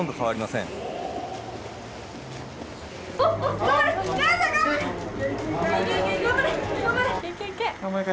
頑張れ楓。